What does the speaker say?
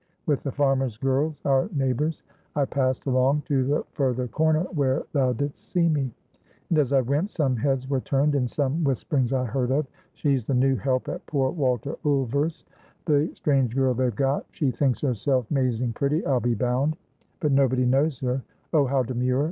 With the farmer's girls, our neighbors, I passed along to the further corner, where thou didst see me; and as I went, some heads were turned, and some whisperings I heard, of 'She's the new help at poor Walter Ulver's the strange girl they've got she thinks herself 'mazing pretty, I'll be bound; but nobody knows her Oh, how demure!